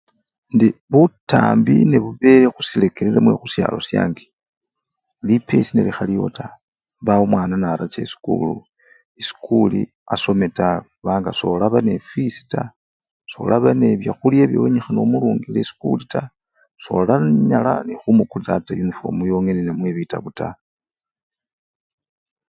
Indi butambi nebubele khusirekere namwe khusyalo syange, lipesi nelikhaliwo taa, mbawo omwana nacha esukulu! khusikuli asome ta banga solaba nefwisi taa, solaba nebyakhulya bye wenyikhana omurungile esikuli taa, solanyale nekhumukulila ata yunifomu yengene ata bitabo taa.